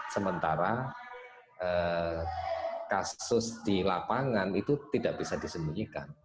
sementara kasus di lapangan itu tidak bisa disembunyikan